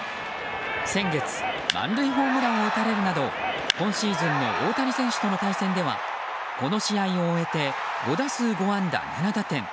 先月、満塁ホームランを打たれるなど今シーズンの大谷選手との対戦ではこの試合を終えて５打数５安打７打点。